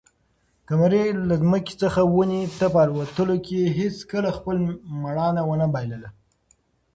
قمرۍ له ځمکې څخه ونې ته په الوتلو کې هیڅکله خپله مړانه ونه بایلله.